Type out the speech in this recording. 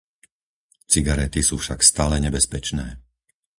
Cigarety sú však stále nebezpečné.